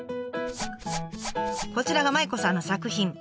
こちらが麻衣子さんの作品。